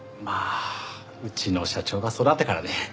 まあうちの社長がそうだったからね。